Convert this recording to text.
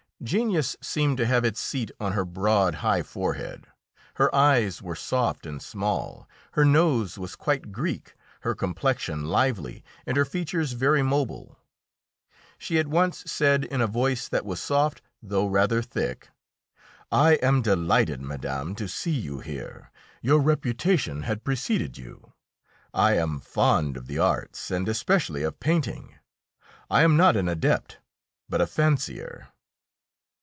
Genius seemed to have its seat on her broad, high forehead. Her eyes were soft and small, her nose was quite Greek, her complexion lively, and her features very mobile. She at once said in a voice that was soft though rather thick: "I am delighted, madame, to see you here; your reputation had preceded you. I am fond of the arts and especially of painting. I am not an adept, but a fancier."